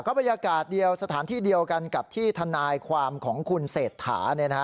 บรรยากาศเดียวสถานที่เดียวกันกับที่ทนายความของคุณเศรษฐา